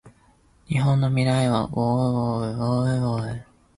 日本の未来はうぉううぉううぉううぉう